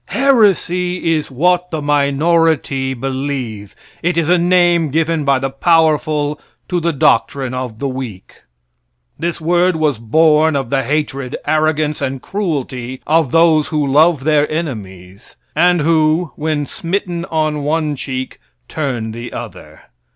Heresy is what the minority believe; it is a name given by the powerful to the doctrine of the weak. This word was born of the hatred, arrogance, and cruelty of those who love their enemies, and who, when smitten on one cheek, turn the other.